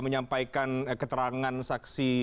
menyampaikan keterangan saksi